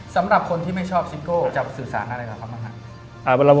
สำหรับคนที่ไม่ชอบซิลโก้จะสื่อสารอะไรครับ